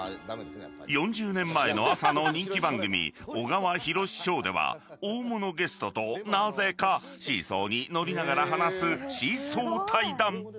［４０年前の朝の人気番組『小川宏ショー』では大物ゲストとなぜかシーソーに乗りながら話すシーソー対談］